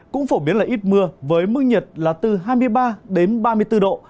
cũng phổ biến là ít mưa với mưa nhiệt là từ hai mươi ba ba mươi bốn độ